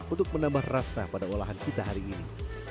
untuk menambah rasa pada olahan kita hari ini